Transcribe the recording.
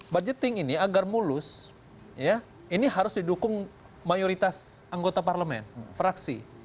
budgeting ini agar mulus ini harus didukung mayoritas anggota parlemen fraksi